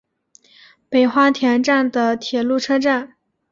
北花田站的铁路车站。